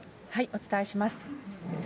お伝えします。